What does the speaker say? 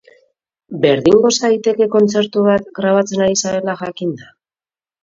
Berdin goza daiteke kontzertu bat, grabatzen ari zarela jakinda?